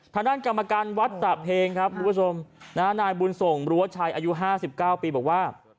ทางด้านกรรมการวัดสระเพงครับนายบุญส่งบรัวชัยอายุ๕๙ปีบอกว่า